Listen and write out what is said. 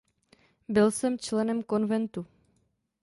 Byl jsem členem Konventu.